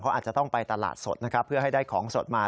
เขาอาจจะต้องไปตลาดสดเพื่อให้ได้ของสดมา